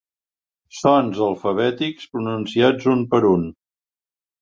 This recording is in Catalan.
Sons alfabètics pronunciats un per un.